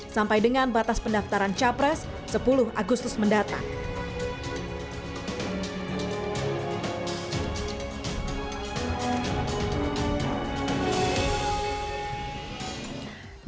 sampai dengan batas pendaftaran capres sepuluh agustus mendatang